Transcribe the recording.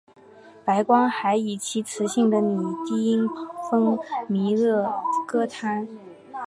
白光还以其磁性的女低音风靡歌坛。